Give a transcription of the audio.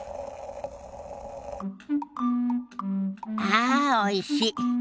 ああおいし。